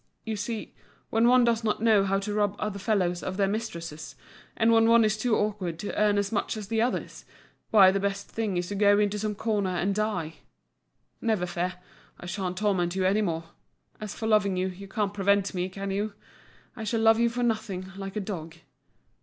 You see, when one does not know how to rob other fellows of their mistresses, and when one is too awkward to earn as much as the others, why the best thing is to go into some corner and die. Never fear, I sha'n't torment you any more. As for loving you, you can't prevent me, can you? I shall love you for nothing, like a dog.